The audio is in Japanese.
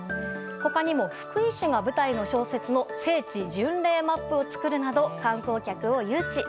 他にも、福井市が舞台の小説の聖地巡礼マップを作るなど観光客を誘致。